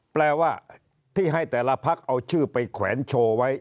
แปลว่าที่ให้แต่ละพักเอาชื่อไปแขวนโชว์ไว้